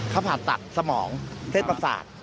เขาผ่าตัดสมองเทศประสาท